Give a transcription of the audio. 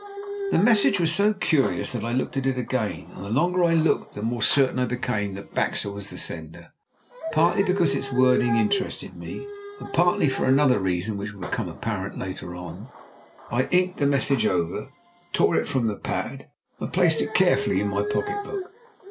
The message was so curious that I looked at it again, and the longer I looked the more certain I became that Baxter was the sender. Partly because its wording interested me, and partly for another reason which will become apparent later on, I inked the message over, tore it from the pad, and placed it carefully in my pocket book.